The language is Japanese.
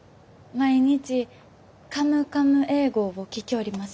毎日「カムカム英語」を聴きょおります。